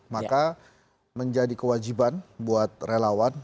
maka menjadi kewajiban buat relawan